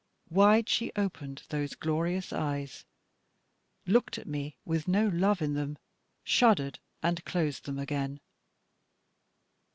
Wide she opened those glorious eyes, looked at me with no love in them, shuddered, and closed them again.